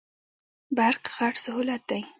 برق غټ سهولت دی.